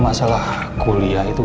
saya masih kayak